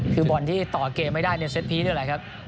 คือบอลที่ต่อเกมไม่ได้ในเซตพีชนี่แหละครับ